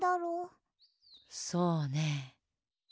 そうね。